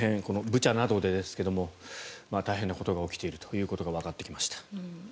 このブチャなどでですが大変なことが起きているということがわかってきました。